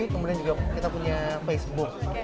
kemudian juga kita punya facebook